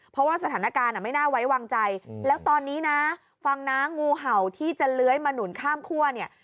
เพราะว่าสถานการณ์ไม่น่าไว้วางใจแล้วตอนนี้นะฟังนะงูเห่าที่จะเลื้อยมาหนุนข้ามคั่วเนี่ย